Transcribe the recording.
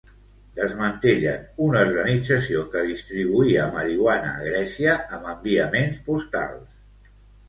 Desmantellen una organització que distribuïa marihuana a Grècia amb enviaments postals.